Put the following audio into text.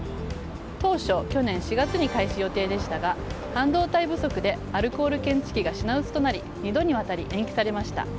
当初、去年４月に開始予定でしたが半導体不足でアルコール検知器が品薄となり２度にわたり延期されました。